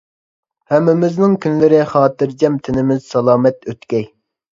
ھەممىمىزنىڭ كۈنلىرى خاتىرجەم، تېنىمىز سالامەت ئۆتكەي!